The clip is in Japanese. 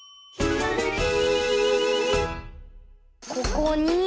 ここに。